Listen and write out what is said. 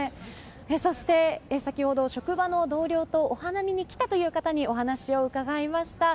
そして、先ほど職場の同僚とお花見に来たという方にお話を伺いました。